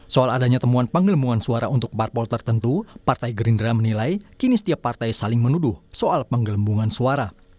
soal adanya temuan penggelembungan suara untuk parpol tertentu partai gerindra menilai kini setiap partai saling menuduh soal penggelembungan suara